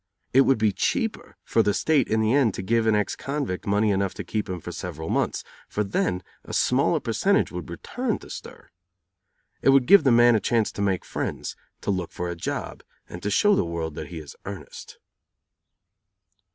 It would be cheaper for the state in the end to give an ex convict money enough to keep him for several months; for then a smaller percentage would return to stir. It would give the man a chance to make friends, to look for a job, and to show the world that he is in earnest.